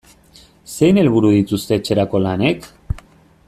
Zein helburu dituzte etxerako lanek?